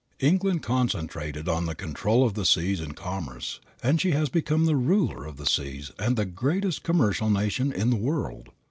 England concentrated on the control of the seas and commerce, and she has become the ruler of the seas and the greatest commercial nation in the world.